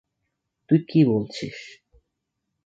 তুই কি বলছিস?